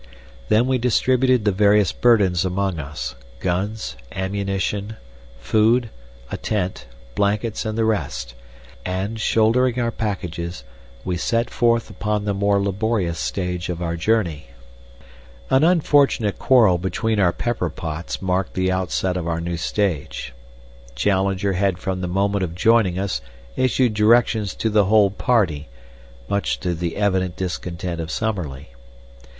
Then we distributed the various burdens among us guns, ammunition, food, a tent, blankets, and the rest and, shouldering our packages, we set forth upon the more laborious stage of our journey. An unfortunate quarrel between our pepper pots marked the outset of our new stage. Challenger had from the moment of joining us issued directions to the whole party, much to the evident discontent of Summerlee.